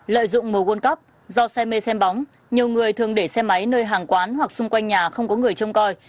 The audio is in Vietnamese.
lợi dụng mùa quân cắp do xe mê xem bóng nhiều người thường để xe máy nơi hàng quán hoặc xung quanh nhà không có người trông coi